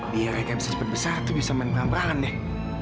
dia rekam sesuatu besar bisa main perang perang deh